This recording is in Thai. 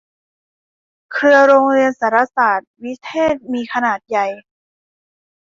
เครือโรงเรียนสารสาสน์วิเทศมีขนาดใหญ่